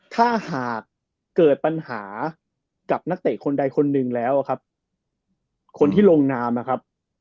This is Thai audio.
ถ้าหากเกิดปัญหากับนักเตะคนใดคนหนึ่งแล้วครับคนที่ลงนามนะครับ